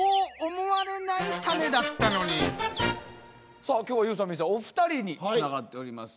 さあ今日はゆうさんみいさんお二人につながっております。